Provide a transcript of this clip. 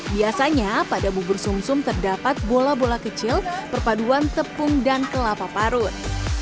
biasanya pada bubur sum sum terdapat bola bola kecil perpaduan tepung dan kelapa parut